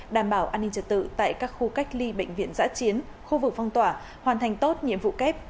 đảm bảo an ninh trật tự tại các khu cách ly bệnh viện giã chiến khu vực phong tỏa hoàn thành tốt nhiệm vụ kép